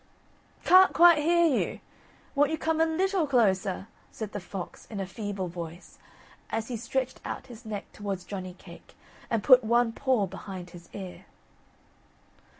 _ "Can't quite hear you; won't you come a little closer?" said the fox in a feeble voice, as he stretched out his neck towards Johnny cake, and put one paw behind his ear.